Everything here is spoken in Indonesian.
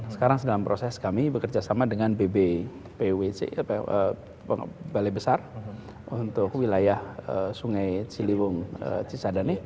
sekarang sedang proses kami bekerjasama dengan balai besar untuk wilayah sungai ciliwung cisadane